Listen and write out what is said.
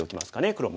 黒も。